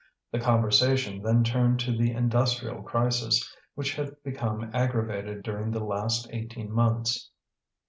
The conversation then turned to the industrial crisis, which had become aggravated during the last eighteen months.